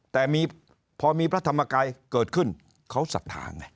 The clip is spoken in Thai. แต่พอมีพระธรรมกายเกิดขึ้นเขาศรัทธาไง